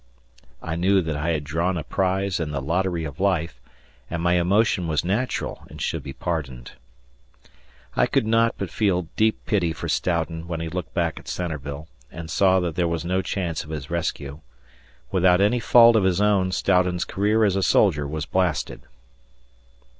I knew that I had drawn a prize in the lottery of life, and my emotion was natural and should be pardoned. I could not but feel deep pity for Stoughton when he looked back at Centreville and saw that there was no chance of his rescue. Without anyfault of his own, Stoughton's career as a soldier was blasted.